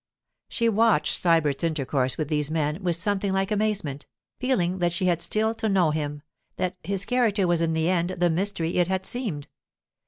She watched Sybert's intercourse with these men with something like amazement, feeling that she had still to know him, that, his character was in the end the mystery it had seemed.